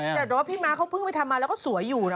แต่ว่าพี่ม้าเขาเพิ่งไปทำมาแล้วก็สวยอยู่นะ